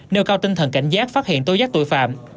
nêu cao tinh thần cảnh giác phát hiện tố giác tội phạm